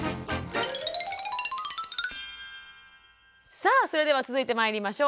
さあそれでは続いてまいりましょう。